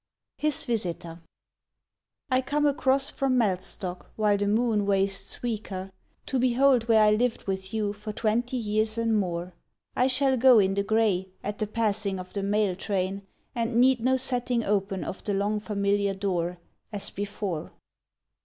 HIS VISITOR I COME across from Mellstock while the moon wastes weaker To behold where I lived with you for twenty years and more: I shall go in the gray, at the passing of the mail train, And need no setting open of the long familiar door As before.